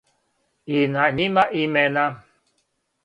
и на њима имена